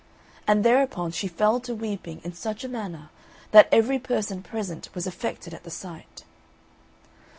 And, thereupon, she fell to weeping in such a manner, that every person present was affected at the sight.